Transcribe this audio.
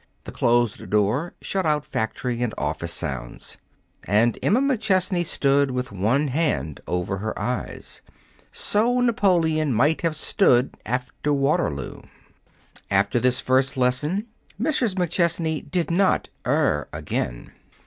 The closed door shut out factory and office sounds. And Emma McChesney stood with one hand over her eyes. So Napoleon might have stood after Waterloo. After this first lesson, Mrs. McChesney did not err again.